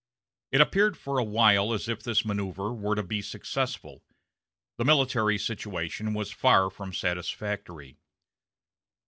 It appeared for a while as if this manoeuver were to be successful. The military situation was far from satisfactory.